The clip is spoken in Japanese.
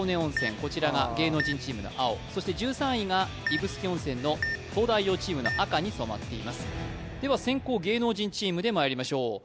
こちらが芸能人チームの青そして１３位が指宿温泉の東大王チームの赤に染まっていますでは先攻芸能人チームでまいりましょう